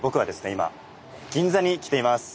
今銀座に来ています。